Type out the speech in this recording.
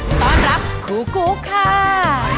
สวัสดีครับคู่คุกค่า